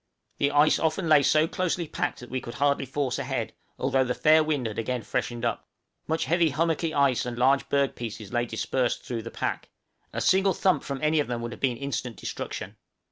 The ice often lay so closely packed that we could hardly force ahead, although the fair wind had again freshened up. Much heavy hummocky ice and large berg pieces lay dispersed through the pack; a single thump from any of them would have been instant destruction.